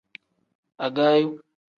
Agaayo.